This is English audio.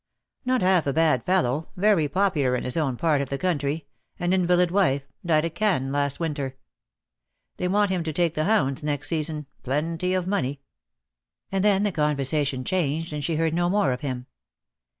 "Not half a bad fellow — very popular in his own part of the country — an invaUd wife — died at Cannes last winter. They want him to take the hounds next season — plenty of money." And then the conversation changed and she heard no more of him.